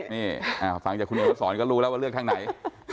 นี่ฟังจากคุณอนุสรก็รู้แล้วว่าเลือกทางไหน